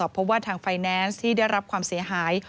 เพราะว่าทางไฟแนนซ์ที่ได้รับความเสียหาย